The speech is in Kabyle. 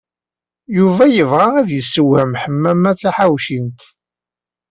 Yuba yebɣa ad yessewhem Ḥemmama Taḥawcint.